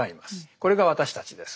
これが私たちです。